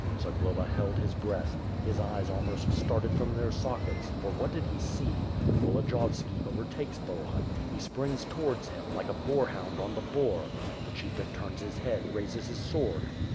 Zagloba held his breath. His eyes almost started from their sockets — for what did he see? Volodiyovski overtakes Bohun; he springs towards him, like a boarhound on the boar. The chieftain turns his head, raises his sword.